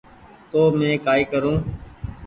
تونٚ مينٚ ڪآئي ڪرون